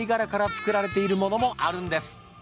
作られているものもあるんです。